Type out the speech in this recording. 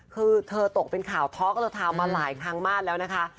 คือเธอตกเป็นข่าวท้อกระทาวน์มาหลายครั้งมากแล้วนะคะ